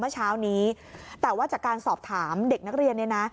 เมื่อเช้านี้แต่ว่าจากการสอบถามเด็กนักเรียนเนี่ยนะ